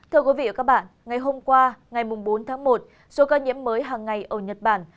thưa quý vị và các bạn ngày hôm qua ngày bốn tháng một số ca nhiễm mới hàng ngày ở nhật bản